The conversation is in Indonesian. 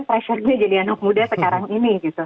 pressure nya jadi anak muda sekarang ini gitu